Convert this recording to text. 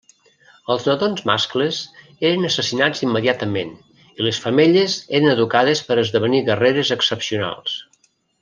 Els nadons mascles eren assassinats immediatament i les femelles eren educades per esdevenir guerreres excepcionals.